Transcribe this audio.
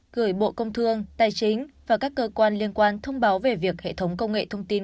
gửi bộ công thương tài chính và các cơ quan liên quan thông báo về việc hệ thống công nghệ thông tin